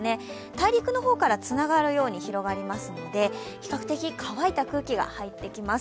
大陸の方からつながるように広がるので比較的乾いた空気が入ってきます。